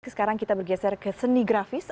sekarang kita bergeser ke seni grafis